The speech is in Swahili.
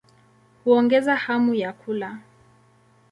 Huongeza hamu ya kula.